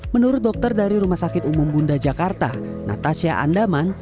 menurut dokter dari rumah sakit umum bunda jakarta natasha andaman